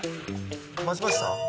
待ちました？